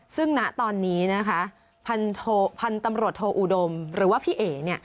ซึ่งณตอนนี้นะคะพันธมรถโทอุดมหรือว่าพี่เอกเนี่ย